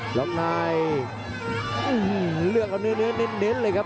จริงครับ